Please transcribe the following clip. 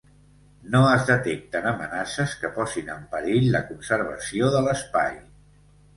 No es detecten amenaces que posin en perill la conservació de l'espai.